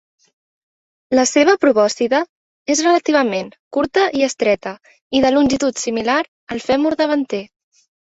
La seva probòscide és relativament curta i estreta i de longitud similar al fèmur davanter.